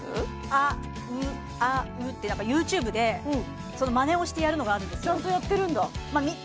あうあうってＹｏｕＴｕｂｅでまねをしてやるのがあるんですよちゃんとやってるんだ？